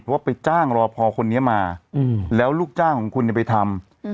เพราะว่าไปจ้างรอพอคนนี้มาอืมแล้วลูกจ้างของคุณเนี้ยไปทำอืม